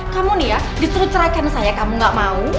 kamu nih ya disuruh cerahkan saya kamu gak mau